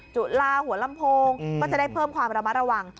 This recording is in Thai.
จุลาหัวลำโพงก็จะได้เพิ่มความระมัดระวัง